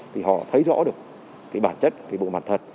thì họ thấy rõ được cái bản chất cái bộ mặt thật